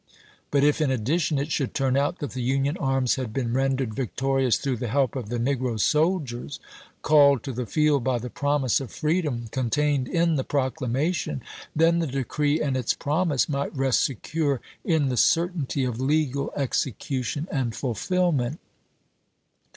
But if, in addition, it should turn out that the Union arms had been rendered victorious through the help of the negro soldiers, called to the field by the promise of free dom contained in the proclamation, then the decree and its promise might rest secure in the certainty of legal execution and fulfillment.